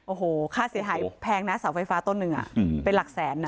โอ้โหค่าเสียหายแพงนะเสาไฟฟ้าต้นหนึ่งเป็นหลักแสนนะ